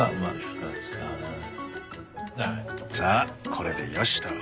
さあこれでよしと。